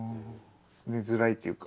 寝づらいっていうか。